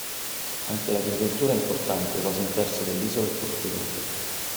Anche l'agricoltura è importante: quasi un terzo dell'isola è coltivato.